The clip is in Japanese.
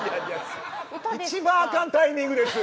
一番あかんタイミングです。